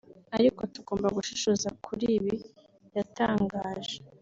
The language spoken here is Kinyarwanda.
ariko tugomba gushishoza kuri ibi yatangaje